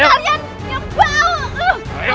jauhkan tangan kotor kalian